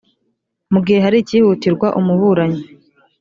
mu gihe hari icyihutirwa umuburanyi